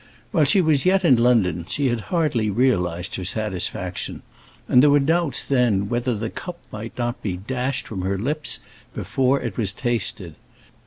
While she was yet in London she had hardly realized her satisfaction, and there were doubts then whether the cup might not be dashed from her lips before it was tasted.